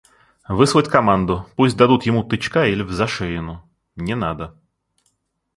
Выслать команду: пусть дадут ему тычка или взашеину! – Не надо.